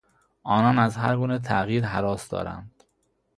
آنان از هر گونه تغییر هراس دارند.